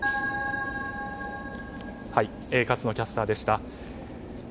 勝野キャスターでした。